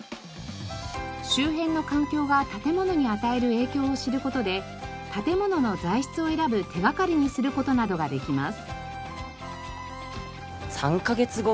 周辺の環境が建物に与える影響を知る事で建物の材質を選ぶ手掛かりにする事などができます。